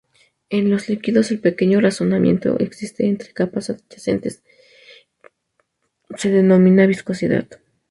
En los líquidos, el pequeño rozamiento existente entre capas adyacentes se denomina viscosidad.